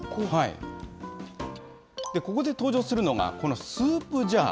ここで登場するのが、このスープジャー。